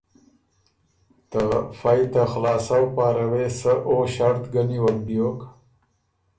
ته فئ ته خلاصؤ پاره وې سه او ݭړط ګه نیوک بیوک